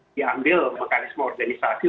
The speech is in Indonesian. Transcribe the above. diambil mekanisme organisasi